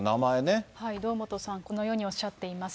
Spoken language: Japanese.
堂本さん、このようにおっしゃっています。